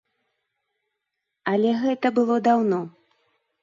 Але гэта было даўно.